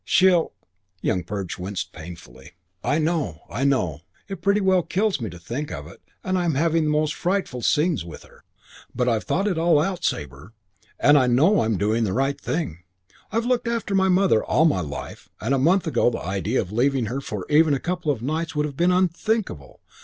She'll " Young Perch winced painfully. "I know. I know. It pretty well kills me to think of it and I'm having the most frightful scenes with her. But I've thought it all out, Sabre, and I know I'm doing the right thing. I've looked after my mother all my life, and a month ago the idea of leaving her even for a couple of nights would have been unthinkable.